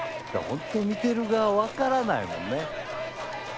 ほんと見てる側は分からないもんね。